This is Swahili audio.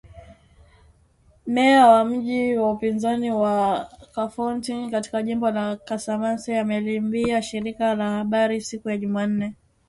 Meya wa mji wa pwani wa Kafountine katika jimbo la Kasamance ameliambia shirika la habari siku ya Jumanne.